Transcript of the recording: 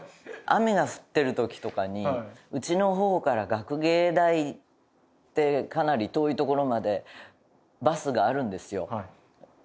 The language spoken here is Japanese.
雨が降ってる時とかにうちの方から学芸大ってかなり遠い所までバスがあるんですよ。